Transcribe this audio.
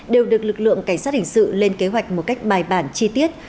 đều được lực lượng cảnh sát hình sự lên kế hoạch một cách bài bản chi tiết